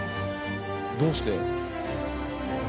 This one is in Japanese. どうして？